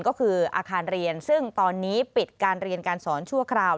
ก็คืออาคารเรียนซึ่งตอนนี้ปิดการเรียนการสอนชั่วคราว